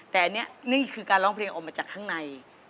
แต่อันนี้นี่คือการร้องเพลงออกมาจากข้างใน